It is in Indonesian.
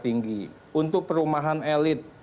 tinggi untuk perumahan elit